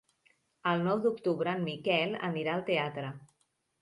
El nou d'octubre en Miquel anirà al teatre.